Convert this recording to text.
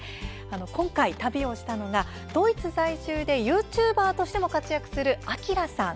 今回、旅をするのはドイツ在住でＹｏｕＴｕｂｅｒとしても活躍するアキラさん。